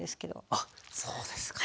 あっそうですか。